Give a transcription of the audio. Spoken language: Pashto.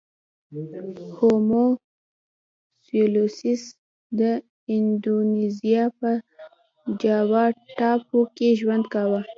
هومو سولوینسیس د اندونزیا په جاوا ټاپو کې ژوند کاوه.